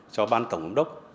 cho ban tổng đốc